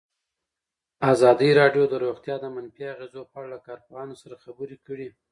ازادي راډیو د روغتیا د منفي اغېزو په اړه له کارپوهانو سره خبرې کړي.